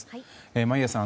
眞家さん